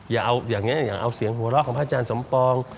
อย่าเอาอย่างนี้อย่าเอาเสียงหัวเราะของพระอาจารย์สมปอง